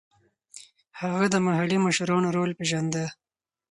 هغه د محلي مشرانو رول پېژانده.